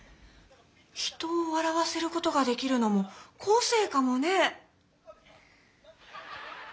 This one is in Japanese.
人をわらわせることができるのもこせいかもね！